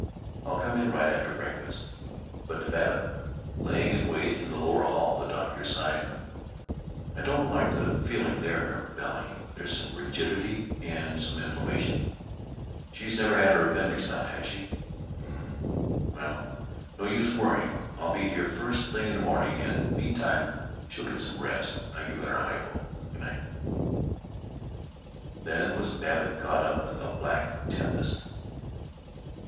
I'll come in right after breakfast." But to Babbitt, lying in wait in the lower hall, the doctor sighed, "I don't like the feeling there in her belly. There's some rigidity and some inflammation. She's never had her appendix out, has she? Um. Well, no use worrying. I'll be here first thing in the morning, and meantime she'll get some rest. I've given her a hypo. Good night." Then was Babbitt caught up in the black tempest.